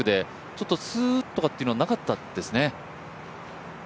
ちょっとスーッとかっていうのなかったですね。